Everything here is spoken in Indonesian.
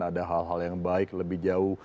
ada hal hal yang baik lebih jauh